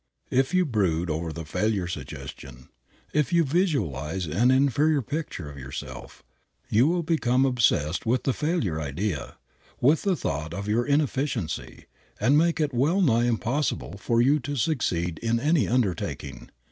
If you brood over the failure suggestion, if you visualize an inferior picture of yourself, you will become obsessed with the failure idea, with the thought of your inefficiency, and make it wellnigh impossible for you to succeed in any undertaking.